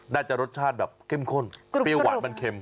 น่าจะรสชาติแบบเข้มข้นเปรี้ยวหวานมันเค็ม